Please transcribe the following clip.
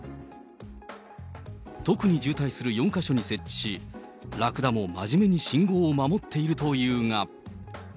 特に渋滞する４か所に設置し、ラクダも真面目に信号を守っているというが。